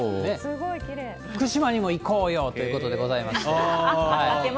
福島にも行こうよということ賭けましたね。